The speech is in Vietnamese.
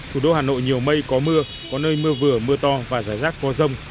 thủ đô hà nội nhiều mây có mưa có nơi mưa vừa mưa to và rải rác có rông